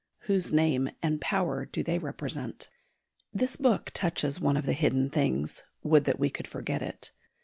Whose name and power do they represent? This book touches one of the hidden things; would that we could forget it!